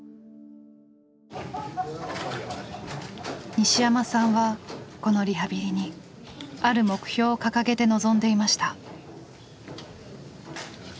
西山さんはこのリハビリにある目標を掲げて臨んでいました。